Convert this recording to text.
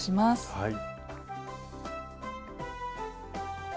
はい。